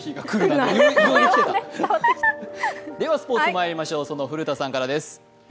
では、スポーツまいりましょう、その古田さんからです。